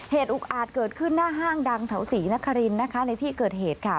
อุกอาจเกิดขึ้นหน้าห้างดังแถวศรีนครินนะคะในที่เกิดเหตุค่ะ